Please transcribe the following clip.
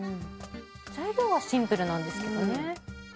材料はシンプルなんですけどね。